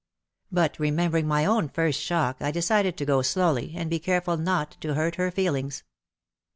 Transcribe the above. But remembering my own first shock, I decided to go slowly and be careful not to hurt her feelings.